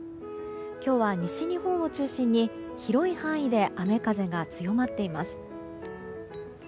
今日は西日本を中心に広い範囲で雨風が強まっています。